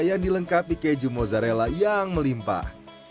yang dilengkapi keju mozzarella yang melimpah